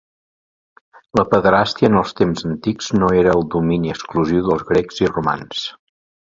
La pederàstia en els temps antics no era el domini exclusiu dels grecs i romans.